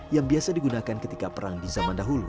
yang biasa digunakan ketika perang di zaman dahulu